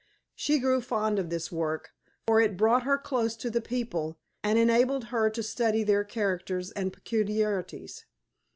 She grew fond of this work, for it brought her close to the people and enabled her to study their characters and peculiarities.